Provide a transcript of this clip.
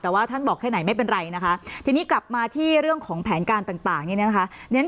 แต่ว่าท่านบอกแค่ไหนไม่เป็นไรนะคะทีนี้กลับมาที่เรื่องของแผนการต่างเนี่ยนะคะ